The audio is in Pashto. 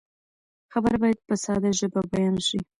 خبر باید په ساده ژبه بیان شي.